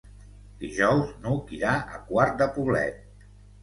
Dijous n'Hug irà a Quart de Poblet.